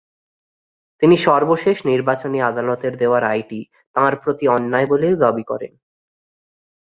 তিনি সর্বশেষ নির্বাচনী আদালতের দেওয়া রায়টি তাঁর প্রতি অন্যায় বলেও দাবি করেন।